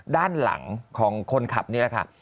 ด้านหลังของคนขับนี่แหละค่ะ